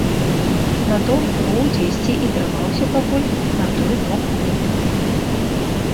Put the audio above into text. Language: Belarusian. Натоўп гуў дзесьці і трымаўся пакуль на той бок гумен.